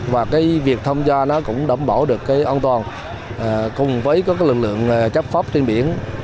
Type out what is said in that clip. và cái việc tham gia nó cũng đảm bảo được cái an toàn cùng với các lực lượng chấp pháp trên biển